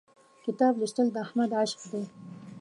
کتاب لوستل د احمد عشق دی.